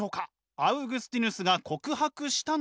アウグスティヌスが告白したのは。